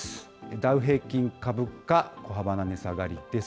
ダウ平均株価、小幅な値下がりです。